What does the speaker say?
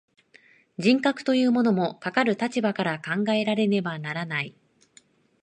人格というものも、かかる立場から考えられねばならない。